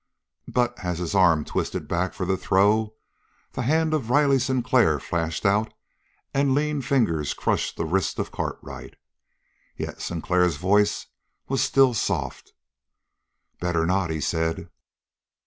But, as his arm twisted back for the throw, the hand of Sinclair flashed out and lean fingers crushed the wrist of Cartwright. Yet Sinclair's voice was still soft. "Better not," he said.